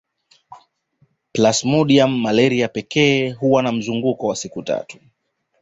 Plasmodium malaria pekee huwa na mzunguko wa siku tatu